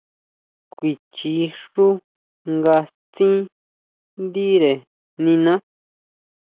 Kuichi xú nga stsin ndire niná.